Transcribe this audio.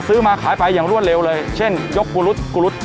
ซื้อมาขายไปอย่างรวดเร็วเลยเช่นยกบุรุษกุรุษ